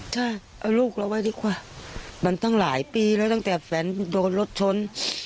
ใช่เอาลูกเราไว้ดีกว่ามันตั้งหลายปีแล้วตั้งแต่แฟนโดนรถชน